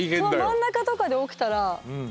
真ん中とかで起きたらうん。